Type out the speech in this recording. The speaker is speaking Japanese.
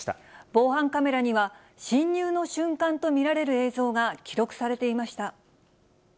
防犯カメラには、侵入の瞬間と見られる映像が記録されていました。